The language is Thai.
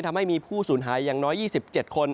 ทำให้มีผู้สูญหายอย่างน้อย๒๗คน